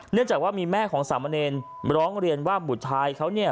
เนื่องจากว่ามีแม่ของสามเณรร้องเรียนว่าบุตรชายเขาเนี่ย